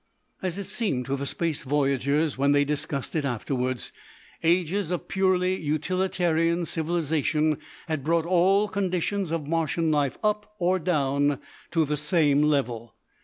As it seemed to the space voyagers, when they discussed it afterwards, ages of purely utilitarian civilisation had brought all conditions of Martian life up or down to the same level.